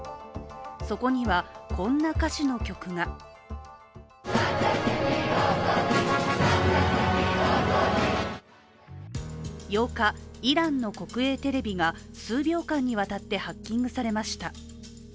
そこには、こんな歌詞の曲が８日、イランの国営テレビが数秒間にわたってハッキングされました。